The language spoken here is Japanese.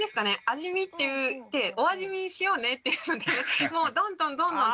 味見っていうお味見しようねっていうのでもうどんどんどんどん。